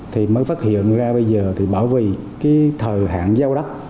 thì mới phát hiện ra bây giờ thì bảo vì cái thời hạn giao đất